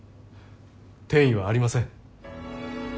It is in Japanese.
転移はありません。